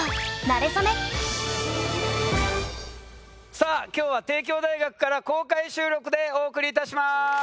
さあ今日は帝京大学から公開収録でお送りいたします。